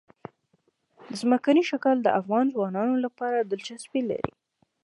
ځمکنی شکل د افغان ځوانانو لپاره دلچسپي لري.